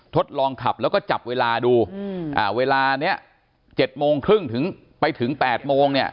ทดลองขับแล้วก็จับเวลาดูเวลานี้๗โมงครึ่งถึงไปถึง๘โมงเนี่ย